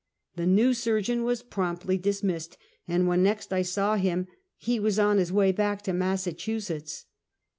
The new surgeon was promptly dismissed, and when next I saw him he was on his way back to Massachu setts.